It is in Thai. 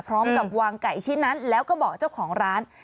พร้อมกับวางไก่ชิ้นนั้นแล้วก็บอกเจ้าของร้าน